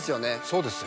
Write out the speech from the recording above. そうです